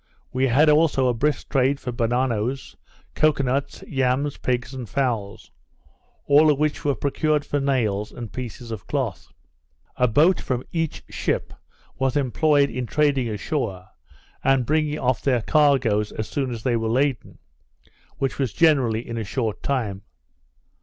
We had also a brisk trade for bananoes, cocoa nuts, yams, pigs, and fowls; all of which were procured for nails, and pieces of cloth. A boat from each ship was employed in trading ashore, and bringing off their cargoes as soon as they were laden, which was generally in a short time.